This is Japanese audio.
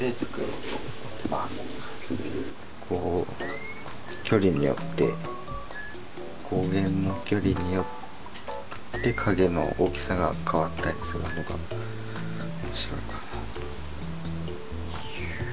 こう距離によって光源の距離によって影の大きさが変わったりするのが面白いかなと。